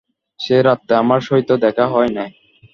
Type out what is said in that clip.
সে-রাত্রে আমার সহিত দেখা হয় নাই।